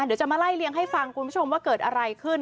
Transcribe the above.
เดี๋ยวจะมาไล่เลี้ยงให้ฟังคุณผู้ชมว่าเกิดอะไรขึ้น